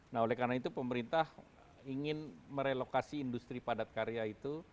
nah oleh karena itu pemerintah ingin merelokasi industri padat karya itu